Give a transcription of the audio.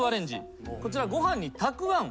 こちらご飯にたくわん。